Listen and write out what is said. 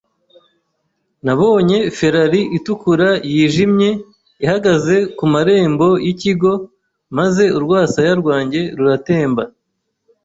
Nabonye Ferrari itukura yijimye ihagaze ku marembo yikigo maze urwasaya rwanjye ruratemba.